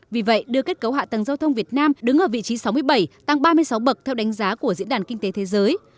vì vậy đưa kết cấu hạ tầng giao thông việt nam đứng ở vị trí sáu mươi bảy tăng ba mươi sáu bậc theo đánh giá của diễn đàn kinh tế thế giới